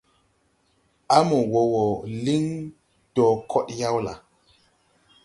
À mo wɔɔ wɔ liŋ dɔɔ kɔɗyaw la?